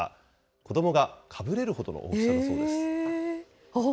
子どもがかぶれるほどの大きさだそうです。